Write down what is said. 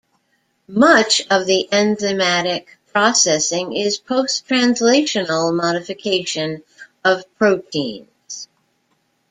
Much of the enzymatic processing is post-translational modification of proteins.